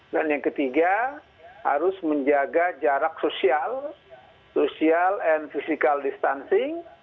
dan yang ketiga harus menjaga jarak sosial social and physical distancing